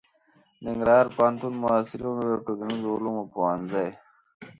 ننګرهار پوهنتون محصلینو د ټولنیزو علومو پوهنځي